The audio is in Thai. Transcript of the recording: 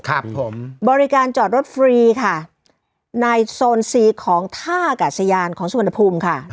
ครับผมบริการจอดรถฟรีค่ะในโซนซีของท่ากาศยานของสุวรรณภูมิค่ะ